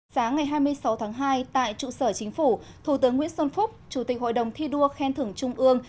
sáng ngày hai mươi sáu tháng hai tại trụ sở chính phủ thủ tướng nguyễn xuân phúc chủ tịch hội đồng thi đua khen thưởng trung ương